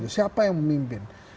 siapa yang memimpin